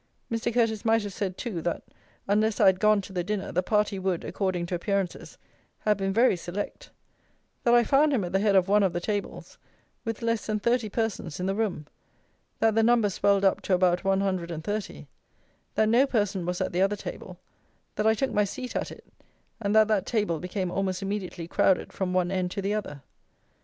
Mr. Curteis might have said, too, that unless I had gone to the dinner, the party would, according to appearances, have been very select; that I found him at the head of one of the tables, with less than thirty persons in the room; that the number swelled up to about one hundred and thirty; that no person was at the other table; that I took my seat at it; and that that table became almost immediately crowded from one end to the other.